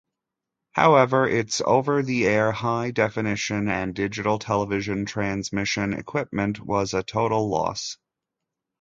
However, its over-the-air high definition and digital television transmission equipment was a total loss.